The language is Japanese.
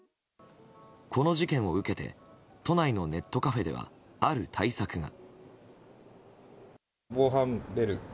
この事件を受けて都内のネットカフェでは、ある対策が。